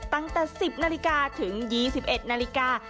ตั้งแต่๑๐นาฬิกาถึง๒๑นาฬิกา